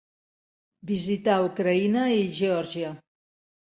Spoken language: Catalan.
Visità Ucraïna i Geòrgia.